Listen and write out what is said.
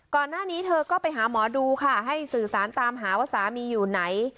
ก่อนหน้านี้เธอก็ไปหาหมอดูค่ะให้สื่อสารตามหาว่าสามีอยู่ไหน